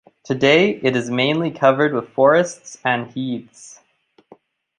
Today it is mainly covered with forests and heaths.